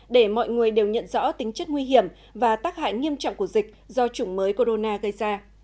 để mọi người đều nhận rõ tính chất nguy hiểm và tác hại nghiêm trọng của dịch do chủng mới corona gây ra